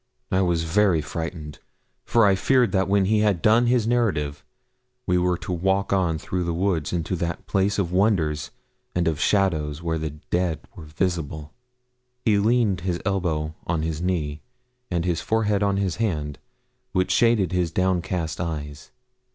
I was very frightened, for I feared that when he had done his narrative we were to walk on through the wood into that place of wonders and of shadows where the dead were visible. He leaned his elbow on his knee, and his forehead on his hand, which shaded his downcast eyes.